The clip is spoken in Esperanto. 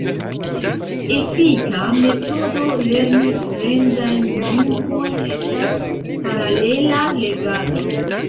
Efika metodo lerni fremdajn lingvojn estas paralela legado.